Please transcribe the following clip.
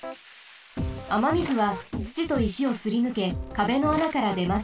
あまみずはつちといしをすりぬけかべの穴からでます。